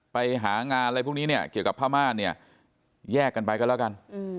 ไปหางานอะไรพวกนี้เนี่ยเกี่ยวกับพม่านเนี่ยแยกกันไปกันแล้วกัน